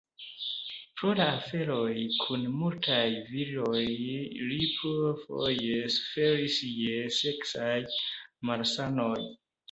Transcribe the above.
Pro la aferoj kun multaj virinoj, li plurfoje suferis je seksaj malsanoj.